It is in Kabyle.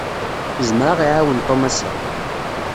Yezmer ad ɣ-iwawen Tom ass-a.